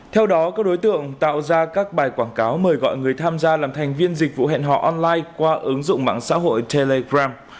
theo đó các đối tượng tạo ra các bài quảng cáo mời gọi người tham gia làm thành viên dịch vụ hẹn họ online qua ứng dụng mạng xã hội telegram